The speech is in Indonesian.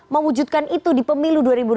mewujudkan itu di pemilu dua ribu dua puluh